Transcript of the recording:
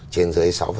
trên dưới sáu năm